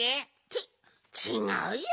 ちちがうよ。